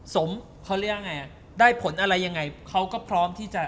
สมเขาเรียกว่าไงอ่ะได้ผลอะไรยังไงเขาก็พร้อมที่จะ